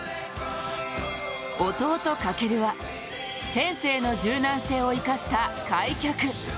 弟・翔は天性の柔軟性を生かした開脚。